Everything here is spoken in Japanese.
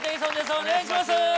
お願いします。